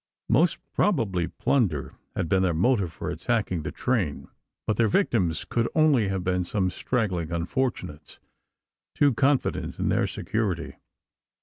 Most probably plunder had been their motive for attacking the train; but their victims could only have been some straggling unfortunates, too confident in their security.